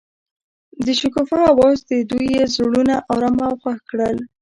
د شګوفه اواز د دوی زړونه ارامه او خوښ کړل.